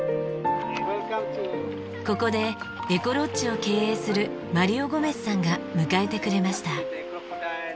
ここでエコロッジを経営するマリオ・ゴメスさんが迎えてくれました。